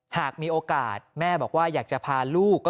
หากมีโอกาสแม่บอกว่าอยากจะพาลูก